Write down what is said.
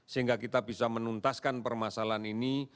sehingga kita bisa menuntaskan permasalahan ini